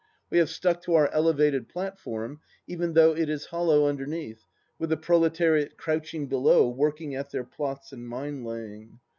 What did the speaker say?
We have stuck to our elevated platform even though it is hollow under neath, with the proletariat crouching below working at their plots and mine laying.